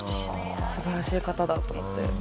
素晴らしい方だと思って。